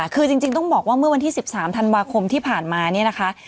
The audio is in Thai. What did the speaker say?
คือจริงต้องบอกว่าเมื่อวันที่๑๓ธันวาคมที่ผ่านมาเนี่ยนะคะ